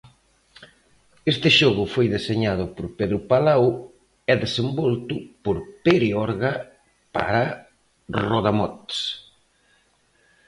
Este xogo foi deseñado por Pedro Palau, e desenvolto por Pere Orga para RodaMots.